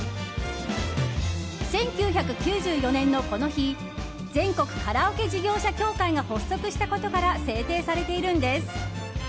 １９９４年の、この日全国カラオケ事業者協会が発足したことから制定されているんです。